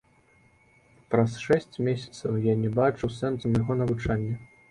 Праз шэсць месяцаў я не бачыў сэнсу майго навучання.